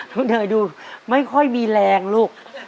น้องเหนยดูไม่ค่อยมีแรงลูก